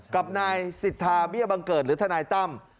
กับนายสิทธาเบี้ยบังเกิดหรือทนายตั้ม